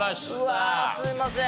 うわすいません。